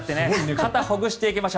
肩をほぐしていきましょう。